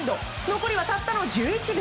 残りはたったの１１秒！